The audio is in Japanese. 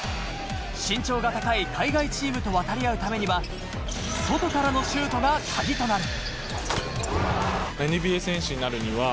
身長が高い海外チームと渡り合うためには外からのシュートがカギとなる。